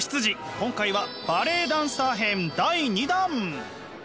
今回はバレエダンサー編第２弾！